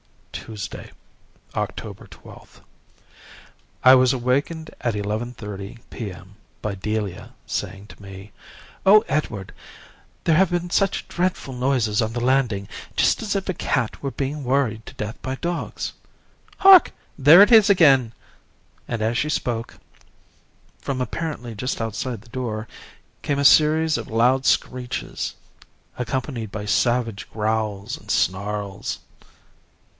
"Tuesday, October 12th. I was awakened at 11.30 p.m. by Delia saying to me, 'Oh, Edward, there have been such dreadful noises on the landing, just as if a cat were being worried to death by dogs. Hark! there it is again.' And as she spoke, from apparently just outside the door, came a series of loud screeches, accompanied by savage growls and snarls.